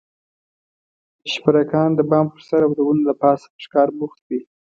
شپرکان د بام پر سر او د ونو له پاسه په ښکار بوخت وي.